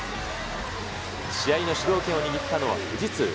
試合の主導権を握ったのは、富士通。